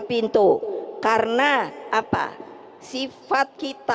pintu karena apa sifat kita